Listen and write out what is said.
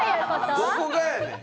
どこがやねん！